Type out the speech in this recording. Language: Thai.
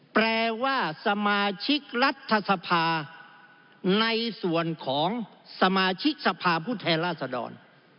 แปลว่าสมาชิกรัฐสภาในส่วนของสมาชิกสภาพผู้แทนราษดร